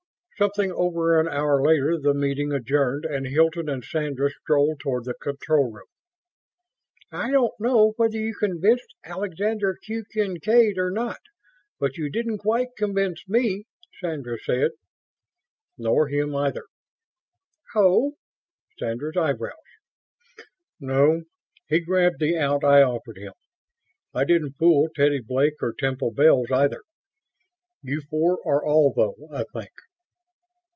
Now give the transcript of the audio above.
Something over an hour later the meeting adjourned and Hilton and Sandra strolled toward the control room. "I don't know whether you convinced Alexander Q. Kincaid or not, but you didn't quite convince me," Sandra said. "Nor him, either." "Oh?" Sandra's eyebrows "No. He grabbed the out I offered him. I didn't fool Teddy Blake or Temple Bells, either. You four are all, though, I think."